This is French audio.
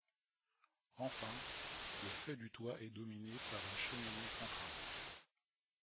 Enfin, le fait du toit est dominé par une cheminée centrale.